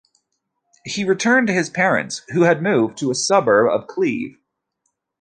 He returned to his parents who had moved to a suburb of Kleve.